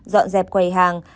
dọn dẹp quầy hàng